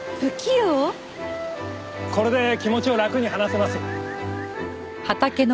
これで気持ちを楽に話せます。